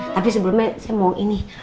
tapi sebelumnya saya mau ini